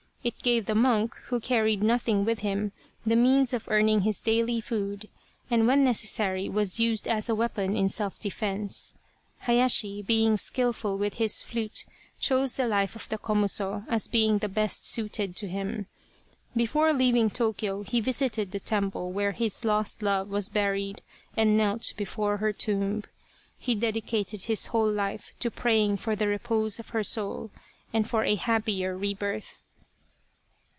It gave the monk, who carried nothing with him, the means of earning his daily food, and when necessary was used as a weapon in self defence. Hayashi, being skilful with his flute, chose the life of the Komuso as being the best suited to him. Before leaving Tokyo he visited the temple where his lost love was buried and knelt before her tomb. He dedicated his whole life to praying for the repose of her soul and for a happier rebirth.